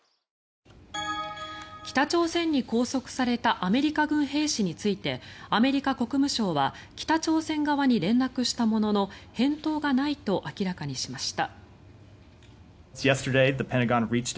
北朝鮮に拘束されたアメリカ軍兵士についてアメリカ国務省は北朝鮮側に連絡したものの返答がないと明らかにしました。